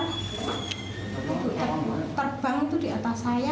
ibu terbang itu di atas saya